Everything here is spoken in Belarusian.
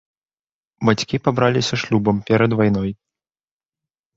Бацькі пабраліся шлюбам перад вайной.